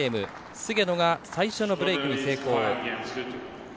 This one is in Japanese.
菅野が最初のブレークに成功。